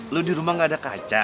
lo di rumah gak ada kaca